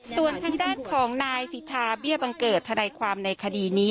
ส่วนทางด้านของนายสิทธาเบี้ยบังเกิดทนายความในคดีนี้